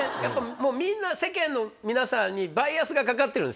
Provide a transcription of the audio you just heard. もうみんな世間の皆さんにバイアスがかかってるんですよ。